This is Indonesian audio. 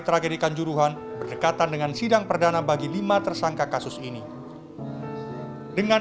tragedi kanjuruhan berdekatan dengan sidang perdana bagi lima tersangka kasus ini dengan